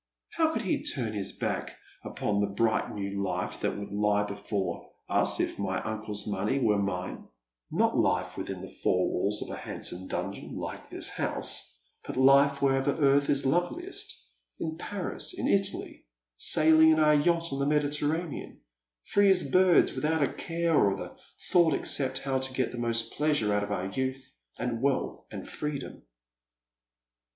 How could he tm n his back upon the bright new life that would lie before us if ray uncle's money were mine — not life within the four walls of a handsome dungeon, like this house, but life wherever earth is loveliest— in Paris, in Italy, sailing in our yacht on the Mediter ranean, free as birds, without a care or a thought except how to get the most pleasure out of our youth and wealth and freedom